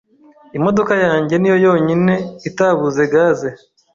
Imodoka yanjye niyo yonyine itabuze gaze.